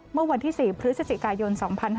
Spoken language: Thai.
เมื่อวันที่๔พฤศจิกายน๒๕๕๙